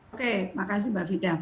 oke makasih mbak fida